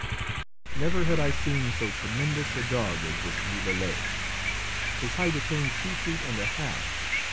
Never had I seen so tremendous a dog as this Lieverlé. His height attained two feet and a half.